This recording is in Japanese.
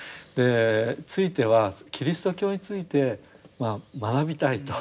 ついてはキリスト教について学びたいと。